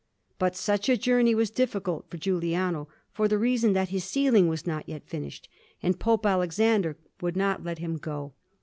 But such a journey was difficult for Giuliano, for the reason that his ceiling was not yet finished, and Pope Alexander would not let him go.